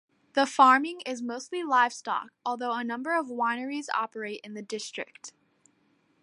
The farming is mostly livestock although a number of wineries operate in the district.